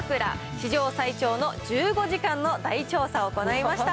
史上最長の１５時間の大調査を行いました。